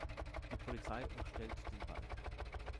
Die Polizei umstellt den Wald.